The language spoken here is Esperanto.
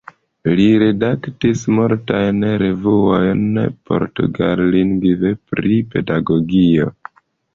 Li redaktis multajn revuojn portugallingve pri pedagogio.